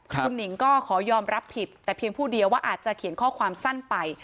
คุณหนิงก็ขอยอมรับผิดแต่เพียงผู้เดียวว่าอาจจะเขียนข้อความสั้นไป